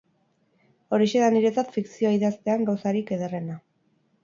Horixe da niretzat fikzioa idaztean gauzarik ederrenena.